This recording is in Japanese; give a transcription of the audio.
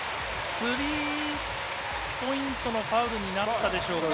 スリーポイントのファウルになったでしょうか。